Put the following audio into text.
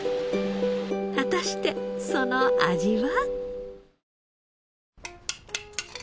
果たしてその味は？